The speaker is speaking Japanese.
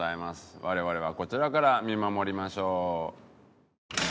我々はこちらから見守りましょう。